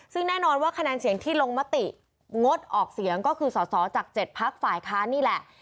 ซึ่งแน่นอนว่าคะแนนเสียงที่ลงมติงดออกเสียงก็คือสอสอจาก๗พักฝ่ายค้านนี่แหละ